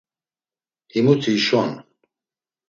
“Himuti hişon.”